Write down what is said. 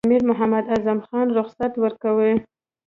امیر محمد اعظم خان رخصت ورکوي.